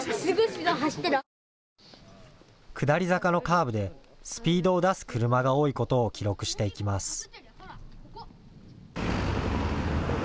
下り坂のカーブでスピードを出す車が多いことを記録していきます。